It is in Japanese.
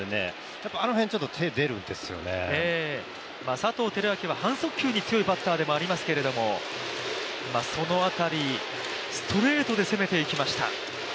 あの辺ちょっと手、出るんですよね佐藤輝明は半速球に強いバッターでもありますけどその辺り、ストレートで攻めていきました。